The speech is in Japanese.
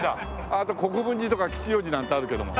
あと国分寺とか吉祥寺なんてあるけども。